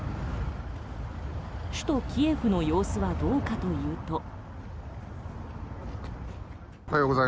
首都キエフの様子はどうかというと。